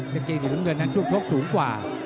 กางเกงสีน้ำเงินนั้นช่วงชกสูงกว่า